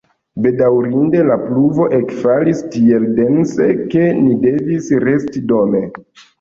Bedaŭrinde la pluvo ekfalis tiel dense, ke ni devis resti dome.